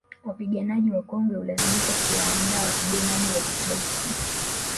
Wapiganaji wakongwe hulazimika kuwaandaa wapiganaji wa kizazi kipya